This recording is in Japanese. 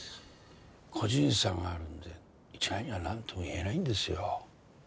個人差があるんで一概にはなんとも言えないんですよ。